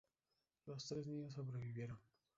Los tres niños sobrevivieron.